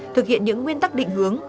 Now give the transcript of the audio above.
thực hiện những nguyên tắc định hướng